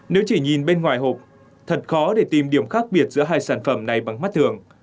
nếu chỉ nhìn bên ngoài hộp thật khó để tìm điểm khác biệt giữa hai sản phẩm này bằng mắt thường